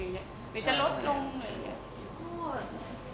เราก็จะมีแพลนไปทำ